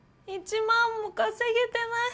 １万も稼げてない。